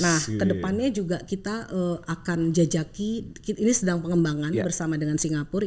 nah kedepannya juga kita akan jajaki ini sedang pengembangan bersama dengan singapura